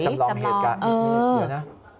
จำลองเหตุการณ์เออ